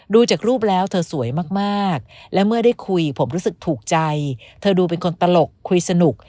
ดูจากรูปแล้วเธอสวยมากและเมื่อได้คุยผมรู้สึกถูกใจเธอดูเป็นคนตลกคุยสนุก